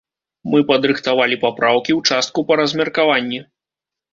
Мы падрыхтавалі папраўкі ў частку па размеркаванні.